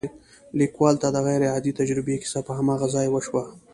ليکوال ته د غير عادي تجربې کيسه په هماغه ځای وشوه.